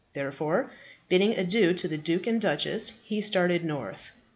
Therefore, bidding adieu to the duke and duchess, he started north.